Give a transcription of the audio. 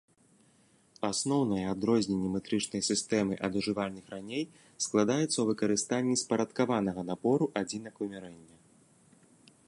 Асноўнае адрозненне метрычнай сістэмы ад ужывальных раней складаецца ў выкарыстанні спарадкаванага набору адзінак вымярэння.